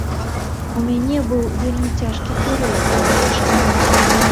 У мяне быў вельмі цяжкі перыяд доўгі час.